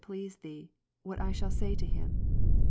please Thee, what I shall say to him.